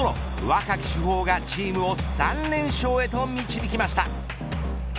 若き主砲がチームを３連勝へと導きました。